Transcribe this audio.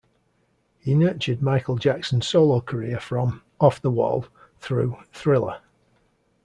He nurtured Michael Jackson's solo career from "Off the Wall" through "Thriller".